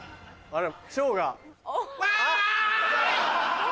あれ？